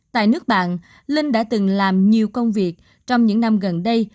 tại nước bạn linh đã từng làm nhiều công việc trong những năm gần đây